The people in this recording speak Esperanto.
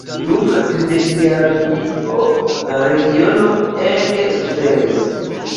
Dum la tridekjara milito la regiono ege suferis.